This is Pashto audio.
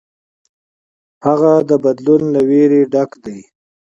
هغه د بدلون له ویرې ډک دی.